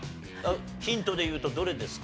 ヒントでいうとどれですか？